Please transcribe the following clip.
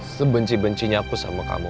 sebenci bencinya aku sama kamu